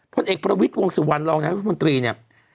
พลเอกพระวิทย์วงศุวรรณลองนะครับวิทยุคมนตรีเนี้ย